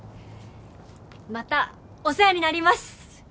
またお世話になります。